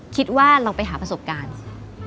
คิดว่าเราไปหาประสบการณ์